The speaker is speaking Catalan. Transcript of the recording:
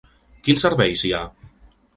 Quins serveis hi ha?